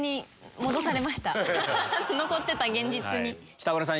北村さん